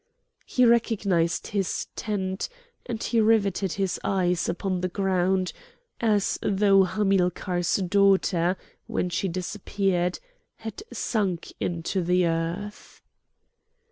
He recognised his tent; and he riveted his eyes upon the ground as though Hamilcar's daughter, when she disappeared, had sunk into the earth.